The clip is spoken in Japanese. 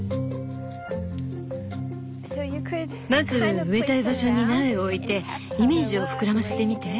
まず植えたい場所に苗を置いてイメージを膨らませてみて。